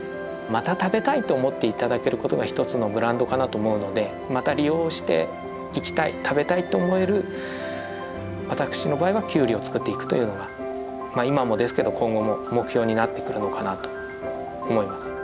また食べたいと思って頂けることが一つのブランドかなと思うのでまた利用していきたい食べたいと思える私の場合はキュウリを作っていくというのがまあ今もですけど今後も目標になってくるのかなと思います。